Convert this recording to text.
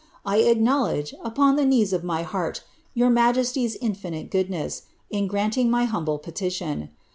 I acknowledge, upon the knees of my heart, joar majesty's infinite goodness, in granting my humble petition.